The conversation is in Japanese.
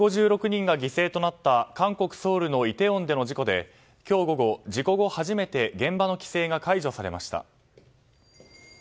１５６人が犠牲となった韓国ソウルのイテウォンでの事故で、今日午後事故後初めて現場の規制が解除されました。